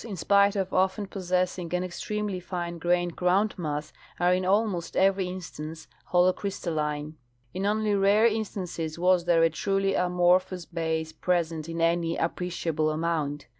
69 rucks, ill spite of often possessing an extremely fine grained groundnmss, are in almost every instance holocrystalline. In only rare instances was there a truly amorphous base present in any appreciable amount.